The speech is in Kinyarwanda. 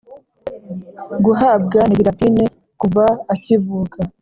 guhabwa nevirapine kuva akivuka